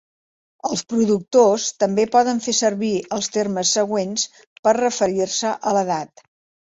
Els productors també poden fer servir els termes següents per referir-se a l'edat.